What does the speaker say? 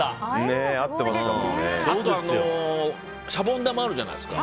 あとシャボン玉あるじゃないですか。